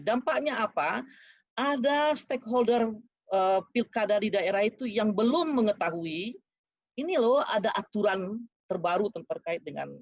dampaknya apa ada stakeholder pilkada di daerah itu yang belum mengetahui ini loh ada aturan terbaru terkait dengan